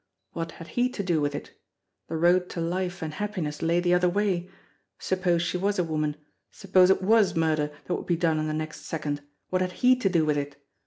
What had he to do with it? The road to life and happiness lay the other way. Suppose she was a woman, suppose it was murder that would be done in the next second, what had he to do with it!